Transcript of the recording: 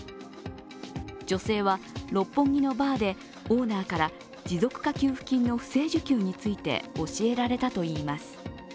女性は、六本木のバーでオーナーから持続化給付金の不正受給について教えられたといいます。